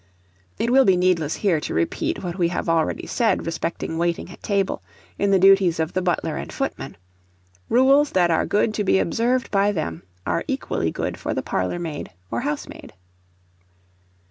It will be needless here to repeat what we have already said respecting waiting at table, in the duties of the butler and footman: rules that are good to be observed by them, are equally good for the parlour maid or housemaid.